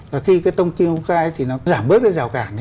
và khi cái thông tin công khai thì nó giảm bớt cái rào cản đi